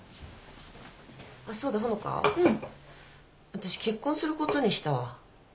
私結婚することにしたわ。